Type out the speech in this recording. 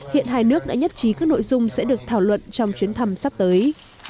hiện hai nước đã nhất trí các nội dung sẽ được thảo luận trong chuyến thăm sắp tới